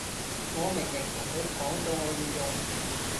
我明明同佢講咗我要用